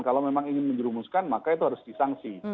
kalau memang ingin menjerumuskan maka itu harus disangsi